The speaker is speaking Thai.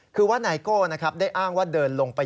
คือว่าไนโก้ได้อ้างว่าเดินลงไป